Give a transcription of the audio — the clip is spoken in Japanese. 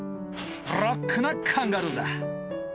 ロックなカンガルーだ。